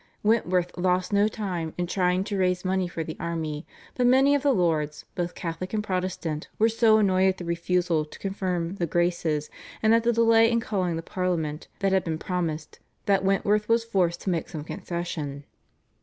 Wentworth lost no time in trying to raise money for the army, but many of the lords, both Catholic and Protestant, were so annoyed at the refusal to confirm the "Graces" and at the delay in calling the Parliament that had been promised, that Wentworth was forced to make some concession.